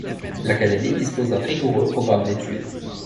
L'académie dispose d'un rigoureux programme d'études.